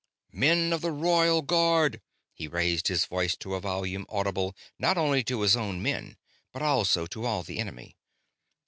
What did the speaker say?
"Men of the Royal Guard!" He raised his voice to a volume audible not only to his own men, but also to all the enemy.